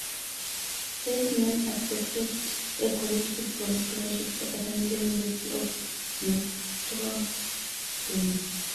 Theismann accepted a college football scholarship to attend the University of Notre Dame.